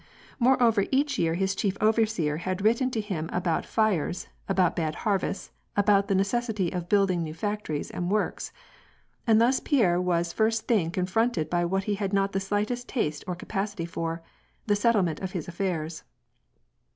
Moreover, each year his chief overseer had written to him about fires, about bad harvests, about the neces sity of building new factories and works. And thus Pierre was first thing confronted by what he had not the slightest taste or capacity for, the settlement of his affairs.